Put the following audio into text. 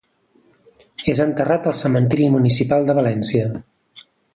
És enterrat al Cementiri Municipal de València.